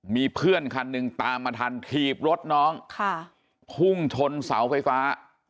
มีเพื่อนคันหนึ่งตามมาทันถีบรถน้องค่ะพุ่งชนเสาไฟฟ้า